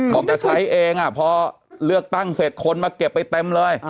บอกจะใช้เองพอเลือกตั้งเสร็จคนมาเก็บไปเต็มเลย